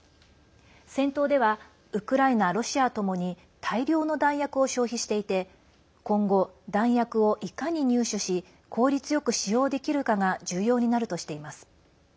戦闘ではウクライナ、ロシアともに大量の弾薬を消費していて今後、弾薬をいかに入手し効率よく使用できるかが重要になるとしています。